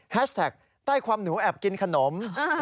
แท็กใต้ความหนูแอบกินขนม